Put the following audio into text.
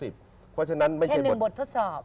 เพราะฉะนั้นไม่ใช่หมดแค่หนึ่งบททดสอบ